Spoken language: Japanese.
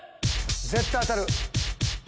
絶対当たる！